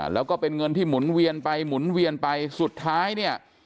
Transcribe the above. แล้วก็เป็นเงินที่หมุนเวียนไปหมุนเวียนไปสุดท้ายเนี่ย